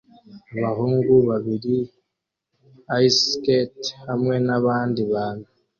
Abahungu babiri ice skate hamwe nabandi bantu